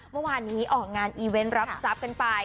เมื่อวานนี้ออกงานอีเวนต์รับทรัพย์กันไป